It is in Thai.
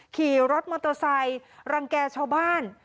ขี่รถมอเตอร์ไซค์รังแก่ชาวบ้าน